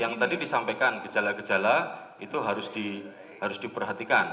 yang tadi disampaikan gejala gejala itu harus diperhatikan